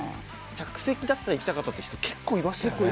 着席だったら行きたかったって人結構いましたよね。